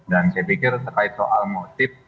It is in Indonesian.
dan saya pikir terkait soal motif